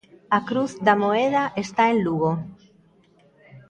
A cruz da moeda está en Lugo.